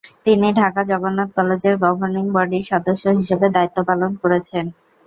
তিনি ঢাকা জগন্নাথ কলেজের গভর্নিং বডির সদস্য হিসেবে দায়িত্বপালন করেছেন।